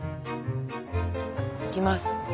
いきます。